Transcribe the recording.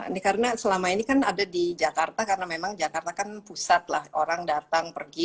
ini karena selama ini kan ada di jakarta karena memang jakarta kan pusat lah orang datang pergi